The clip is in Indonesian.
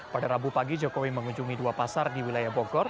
pada rabu pagi jokowi mengunjungi dua pasar di wilayah bogor